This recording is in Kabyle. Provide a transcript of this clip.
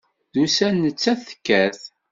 D ussan nettat tekkat.